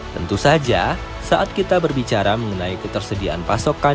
tentu saja saat kita berbicara mengenai ketersediaan pasokan